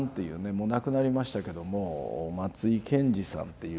もう亡くなりましたけども松井さんっていう。